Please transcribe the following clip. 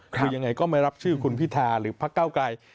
คือยังไงก็ไม่รับชื่อคุณพิธาหรือพักเก้าไกร